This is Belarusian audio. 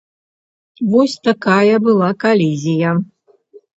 Вось такая была калізія.